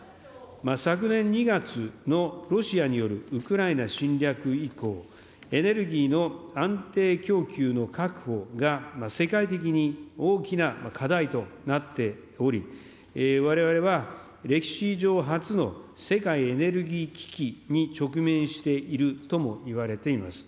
昨年２月のロシアによるウクライナ侵略以降、エネルギーの安定供給の確保が、世界的に大きな課題となっており、われわれは歴史上初の世界エネルギー危機に直面しているともいわれています。